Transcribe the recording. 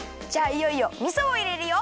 いよいよみそをいれるよ！